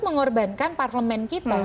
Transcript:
mengorbankan parlemen kita